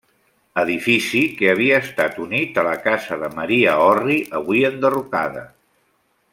Edifici que havia estat unit a la casa de Maria Orri avui enderrocada.